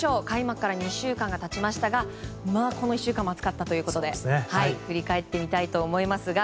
開幕から２週間が経ちましたがこの１週間も熱かったということで振り返ってみたいと思います。